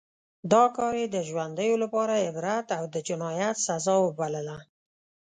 دا کار یې د ژوندیو لپاره عبرت او د جنایت سزا وبلله.